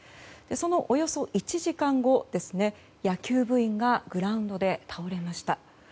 そのおよそ１時間後、野球部員がグラウンドで倒れました。